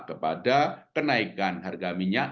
kepada kenaikan harga minyak